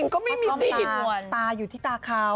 ต้องเป็นตาอยู่ที่ตาเค้า